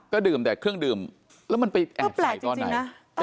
ก็ดื่มแต่เครื่องดื่มแล้วมันไปแอบใส่ตอนไหน